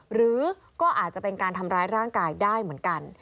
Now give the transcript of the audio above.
หรือก็อาจจะเป็นการทำร้ายร่างกายได้เหมือนกัน